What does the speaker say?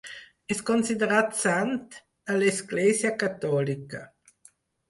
És considerat sant a l'Església Catòlica.